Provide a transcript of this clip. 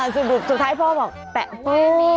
สุดท้ายพ่อบอกแปะโภค